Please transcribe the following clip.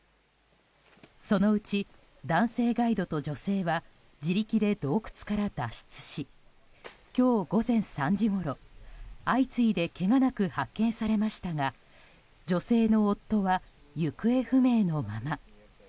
そのうち男性ガイドと女性は自力で洞窟から脱出し今日午前３時ごろ、相次いでけがなく発見されましたが女性の夫は行方不明のまま。